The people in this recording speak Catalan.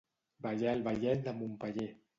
Ballar el ballet de Montpeller.